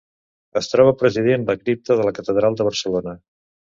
Es troba presidint la cripta de la catedral de Barcelona.